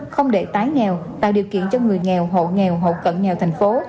không để tái nghèo tạo điều kiện cho người nghèo hộ nghèo hộ cận nghèo thành phố